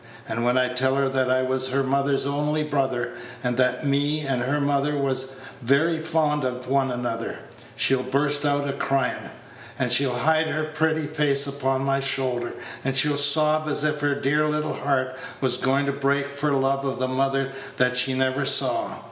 And when I tell her that I was her mother's only brother, and that me and her mother was very fond of one another, she'll burst out a cryin', and she'll hide her pretty face upon my shoulder, and she'll sob as if her dear little heart was going to break for love of the mother that she never saw.